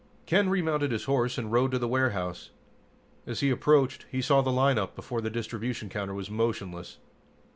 Ken remounted his horse and rode to the warehouse. As he approached, he saw the lineup before the distribution counter was motionless.